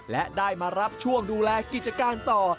และได้มารับช่วงดูแลกิจการต่อ